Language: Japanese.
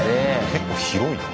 結構広いな。